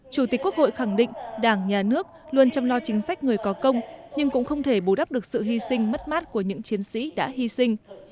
chủ tịch quốc hội khẳng định đảng nhà nước luôn chăm lo chính sách người có công nhưng cũng không thể bù đắp được sự hy sinh mất mát của những chiến sĩ đã hy sinh